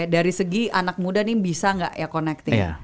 dari segi anak muda nih bisa gak ya connecting